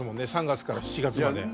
３月から７月まで。